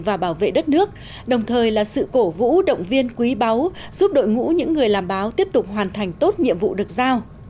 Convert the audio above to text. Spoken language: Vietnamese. và bảo vệ đất nước đồng thời là sự cổ vũ động viên quý báu giúp đội ngũ những người làm báo tiếp tục hoàn thành tốt nhiệm vụ được giao